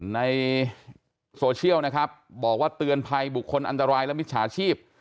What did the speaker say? ในโลกโซเชียลนะครับบอกว่าเตือนภัยบุคคลอันตรายและมิจฉาชีพ